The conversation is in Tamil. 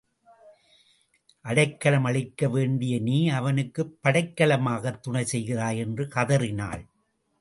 அடைக்கலம் அளிக்க வேண்டிய நீ அவனுக்குப் படைக்கலமாகத் துணை செய்கிறாய் என்று கதறினாள்.